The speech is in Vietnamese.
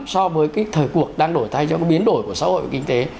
so với cái thời cuộc đang đổi thay cho cái biến đổi của xã hội và kinh tế